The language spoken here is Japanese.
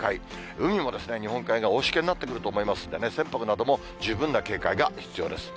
海も日本海側、大しけになってくると思いますんでね、船舶なども十分な警戒が必要です。